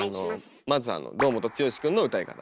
まずあの堂本剛くんの歌い方。